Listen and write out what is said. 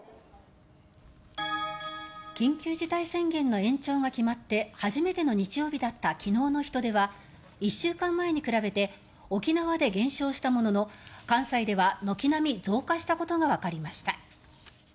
緊急事態宣言の延長が決まって初めての日曜日だった昨日の人出は１週間前に比べて沖縄で減少したものの関西では軒並み増加したことがわかりました。